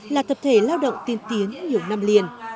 là tập thể lao động tiên tiến nhiều năm liền